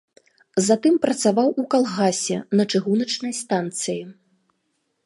Затым працаваў у калгасе, на чыгуначнай станцыі.